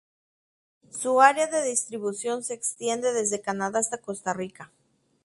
Su área de distribución se extiende desde Canadá hasta Costa Rica.